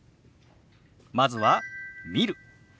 まずは「見る」。